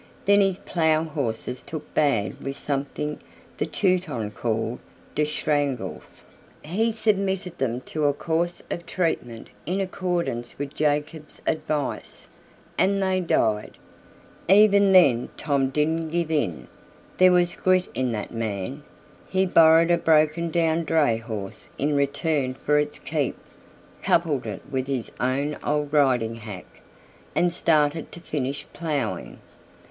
Then his plough horses took bad with some thing the Teuton called "der shtranguls." He submitted them to a course of treatment in accordance with Jacob's advice and they died. Even then Tom didn't give in there was grit in that man. He borrowed a broken down dray horse in return for its keep, coupled it with his own old riding hack, and started to finish ploughing.